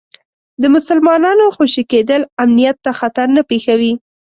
د مسلمانانو خوشي کېدل امنیت ته خطر نه پېښوي.